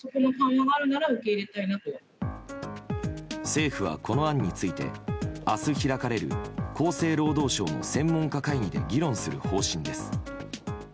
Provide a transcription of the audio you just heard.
政府はこの案について明日開かれる厚生労働省の専門家会議で議論する方針です。